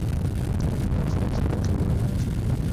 موږ باید خپل تاریخي ویاړونه وساتو.